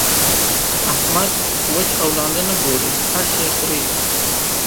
احمد؛ وچ او لانده نه ګوري؛ هر شی خوري.